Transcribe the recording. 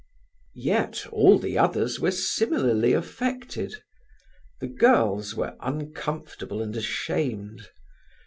Yet all the others were similarly affected. The girls were uncomfortable and ashamed.